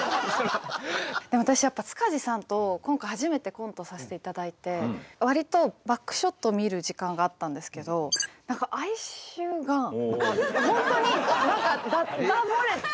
でも私やっぱ塚地さんと今回初めてコントさせていただいてわりとバックショットを見る時間があったんですけど何か哀愁が本当に何かだだ漏れて。